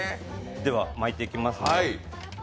では巻いてきます。